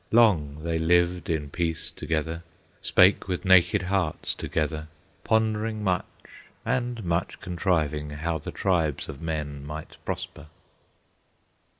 Long they lived in peace together, Spake with naked hearts together, Pondering much and much contriving How the tribes of men might prosper.